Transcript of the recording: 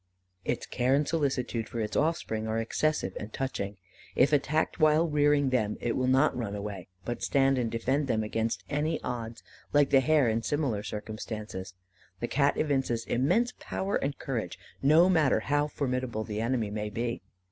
"Its care and solicitude for its offspring are excessive and touching. If attacked while rearing them, it will not run away, but stand and defend them against any odds; like the hare in similar circumstances, the Cat evinces immense power and courage, no matter how formidable the enemy may be.